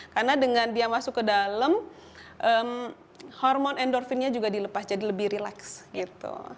karena dengan dia masuk ke dalam hormon endorfinnya juga dilepas jadi lebih relax gitu